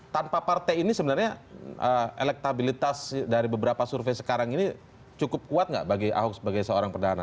tanpa partai ini sebenarnya elektabilitas dari beberapa survei sekarang ini cukup kuat nggak bagi ahok sebagai seorang perdana